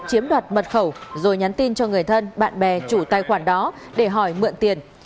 chiếm đoạt mật khẩu rồi nhắn tin cho người thân bạn bè chủ tài khoản đó để hỏi mượn tiền